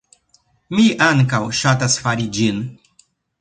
Mi ankaŭ ŝatas fari ĝin.